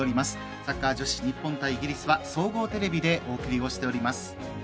サッカー女子日本対イギリスは総合テレビでお伝えしています。